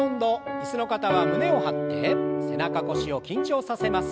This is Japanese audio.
椅子の方は胸を張って背中腰を緊張させます。